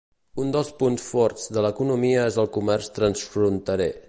Un dels punts forts de l'economia és el comerç transfronterer.